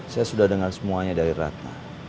saya sudah dengar semuanya dari ratna